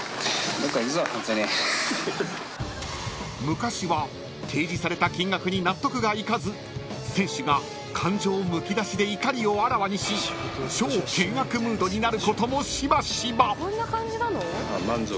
［昔は提示された金額に納得がいかず選手が感情むき出しで怒りをあらわにし超険悪ムードになることもしばしば］